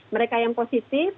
mereka yang positif